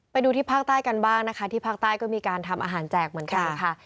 ไปดูที่ภาคใต้กันบ้างนะคะที่ภาคใต้ก็มีการทำอาหารแจกเหมือนกันค่ะ